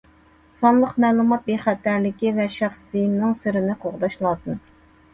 سانلىق مەلۇمات بىخەتەرلىكى ۋە شەخسىينىڭ سىرىنى قوغداش لازىم.